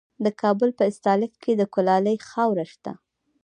د کابل په استالف کې د کلالي خاوره شته.